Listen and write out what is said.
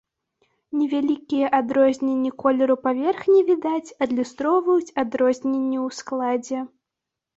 Невялікія адрозненні колеру паверхні, відаць, адлюстроўваюць адрозненні ў складзе.